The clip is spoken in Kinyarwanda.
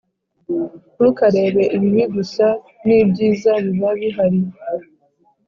ntukarebe ibibi gusa ni byiza biba bihari